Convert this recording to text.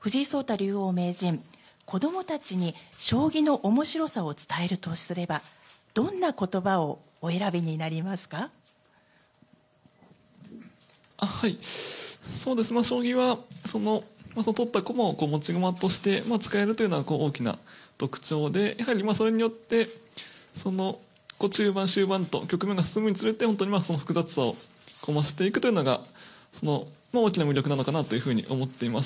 藤井聡太竜王・名人、子どもたちに将棋のおもしろさを伝えるとすれば、どんなことばを将棋は、取った駒を持ち駒として、使えるというのが大きな特徴で、やはりそれによって、中盤、終盤と局面が進むにつれて、本当に複雑さを増していくというのが、大きな魅力なのかなと思っています。